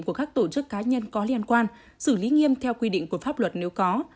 của các tổ chức cá nhân có liên quan xử lý nghiêm theo quy định của pháp luật nếu có